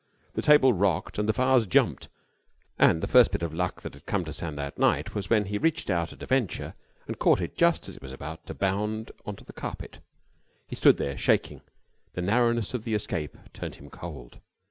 The table rocked and the vase jumped, and the first bit of luck that had come to Sam that night was when he reached out at a venture and caught it just as it was about to bound on to the carpet. He stood there, shaking. The narrowness of the escape turned him cold.